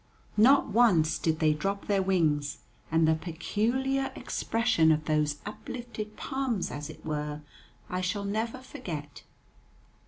Not once did they drop their wings, and the peculiar expression of those uplifted palms, as it were, I shall never forget.